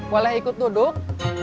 boleh ikut duduk